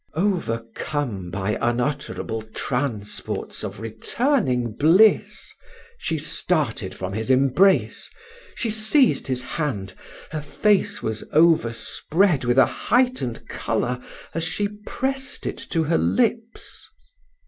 Overcome by unutterable transports of returning bliss, she started from his embrace she seized his hand her face was overspread with a heightened colour as she pressed it to her lips.